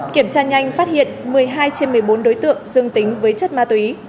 kiểm tra nhanh phát hiện một mươi hai trên một mươi bốn đối tượng dương tính với chất ma túy